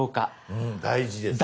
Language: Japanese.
うん大事ですね。